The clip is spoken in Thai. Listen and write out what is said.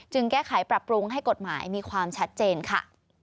แก้ไขปรับปรุงให้กฎหมายมีความชัดเจนค่ะ